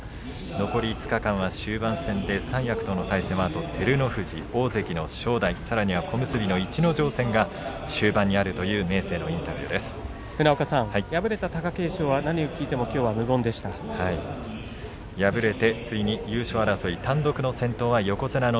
残り５日間の終盤戦で三役との対戦はあと照ノ富士、大関正代さらには小結の逸ノ城戦が終盤にあるという明生の敗れた貴景勝は何を聞いても敗れて次に優勝争い